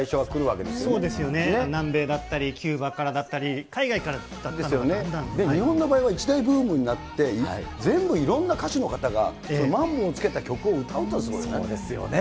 そうですよね、南米だったり、キューバからだったり、海外から日本の場合は、一大ブームになって、全部いろんな歌手の方が、マンボをつけた曲を歌うからすごいね。